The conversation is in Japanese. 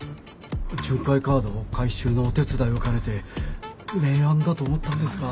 巡回カード回収のお手伝いを兼ねて名案だと思ったんですが。